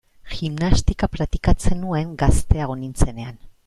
Gimnastika praktikatzen nuen gazteago nintzenean.